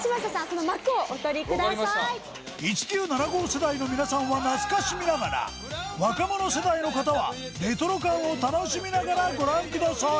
１９７５世代の皆さんは懐かしみながら若者世代の方はレトロ感を楽しみながらご覧ください